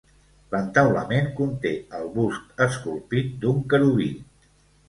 L'entaulament conté el bust esculpit d'un querubí.